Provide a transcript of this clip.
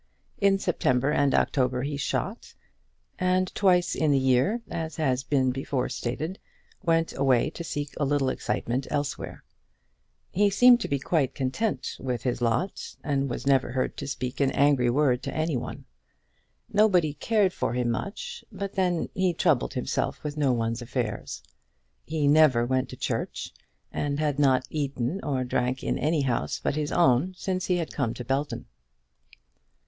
In September and October he shot, and twice in the year, as has been before stated, went away to seek a little excitement elsewhere. He seemed to be quite contented with his lot, and was never heard to speak an angry word to any one. Nobody cared for him much; but then he troubled himself with no one's affairs. He never went to church, and had not eaten or drank in any house but his own since he had come to Belton.